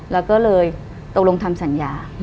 แล้วก็เลยตกลงทำสัญญา